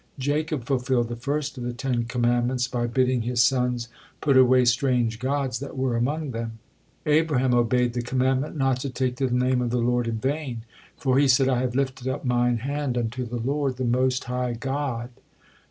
Jacob fulfilled the first of the Ten Commandments by bidding his sons put away strange gods that were among them. Abraham obeyed the commandment not to take the name of the Lord in vain, for he said: 'I have lifted up mine hand unto the Lord, the most high God.'